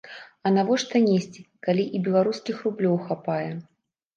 А навошта несці, калі і беларускіх рублёў хапае?